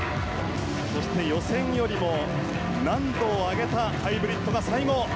予選よりも難度を上げたハイブリッドが。